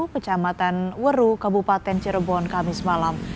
kecamatan weru kabupaten cirebon kamis malam